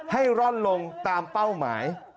ร่อนลงตามเป้าหมาย